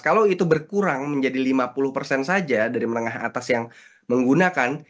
kalau itu berkurang menjadi lima puluh persen saja dari menengah atas yang menggunakan